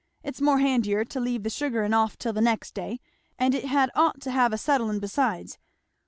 It's more handier to leave the sugarin' off till the next day; and it had ought to have a settlin' besides.